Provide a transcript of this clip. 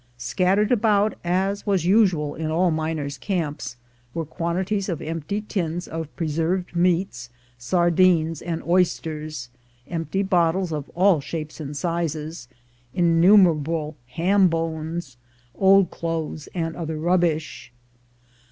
Scattered about, as was usual in all miners' camps, were quantities of empty tins of pre served meats, sardines, and oysters, empty bottles of all shapes and sizes, innumerable ham bones, old clothes, and other rubbish.